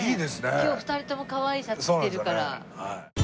今日２人とも可愛いシャツ着てるから。